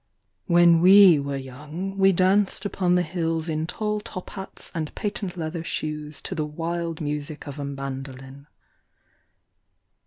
— When we were young, we danced upon the hills In tall top hats and patent leather shoes To the wild music of a mandoline.